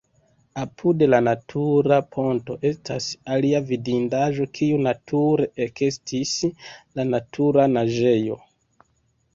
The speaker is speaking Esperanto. Apud la natura ponto estas alia vidindaĵo kiu nature ekestis, la Natura Naĝejo.